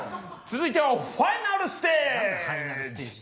続いてはファイナルステージ！